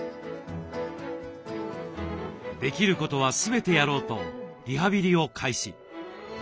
できることは全てやろうとリハビリを開始。